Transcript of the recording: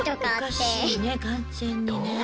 おかしいね完全にね。